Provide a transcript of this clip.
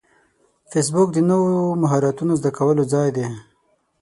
فېسبوک د نوو مهارتونو زده کولو ځای دی